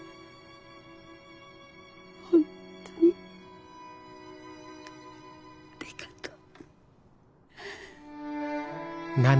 本当にありがとう。